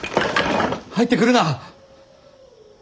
入ってくるな！